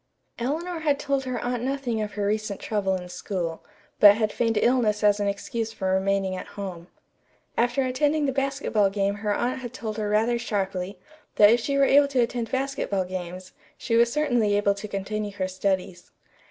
Eleanor had told her aunt nothing of her recent trouble in school, but had feigned illness as an excuse for remaining at home. After attending the basketball game her aunt had told her rather sharply that if she were able to attend basketball games, she was certainly able to continue her studies.